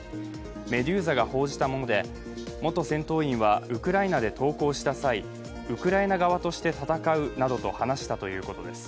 メドューザが報じたもので、元戦闘員はウクライナで投降した際、ウクライナ側として戦うなどと話したということです。